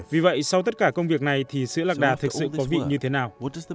vì vậy sau tất cả công việc này thì sữa lạc đà thực sự có vị như thế nào